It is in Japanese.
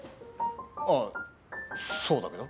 ああそうだけど。